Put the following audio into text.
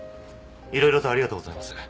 いろいろとありがとうございます。